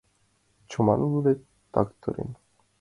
Чоман вӱлет такыртен.